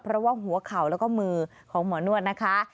เพราะว่าหัวเข่าแล้วก็มือของหมอนวดนะคะ